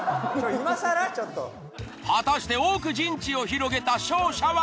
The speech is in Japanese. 果たして多く陣地を広げた勝者は！？